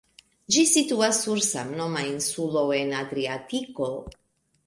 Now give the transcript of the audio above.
Ĝi situas sur samnoma insulo en Adriatiko.